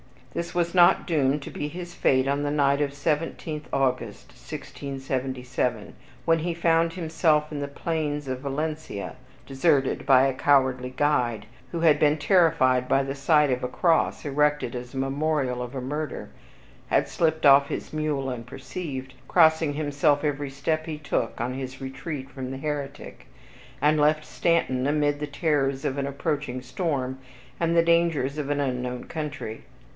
This was not doomed to be his fate on the night of the 17th August 1677, when he found himself in the plains of Valencia, deserted by a cowardly guide, who had been terrified by the sight of a cross erected as a memorial of a murder, had slipped off his mule unperceived, crossing himself every step he took on his retreat from the heretic, and left Stanton amid the terrors of an approaching storm, and the dangers of an unknown country.